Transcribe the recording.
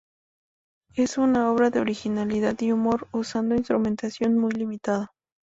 Es una obra de originalidad y humor, usando instrumentación muy limitada.